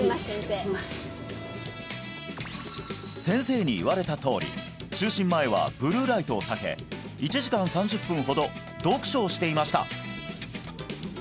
先生に言われたとおり就寝前はブルーライトを避け１時間３０分ほど読書をしていました